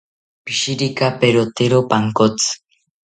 Pishirikaperotero pankotzi